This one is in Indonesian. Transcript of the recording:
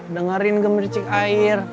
dengarin gemercik air